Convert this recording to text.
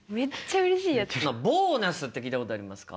ボーナスって聞いたことありますか？